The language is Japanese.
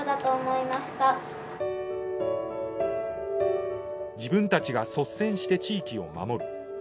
自分たちが率先して地域を守る。